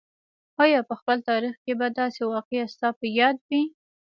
آیا په خپل تاریخ کې به داسې واقعه ستا په یاد وي.